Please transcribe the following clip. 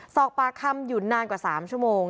ศอกปลาค่ำหยุดนานกว่าสามชั่วโมง